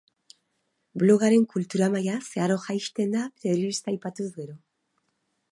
Blogaren kultura maila zeharo jaisten da telebista aipatuz gero.